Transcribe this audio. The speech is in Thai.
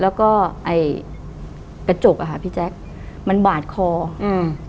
แล้วก็ไอ้กระจกอ่ะค่ะพี่แจ๊คมันบาดคออืม